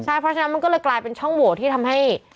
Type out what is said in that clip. เพราะฉะนั้นมันก็เลยกลายเป็นช่องโหวตที่ทำให้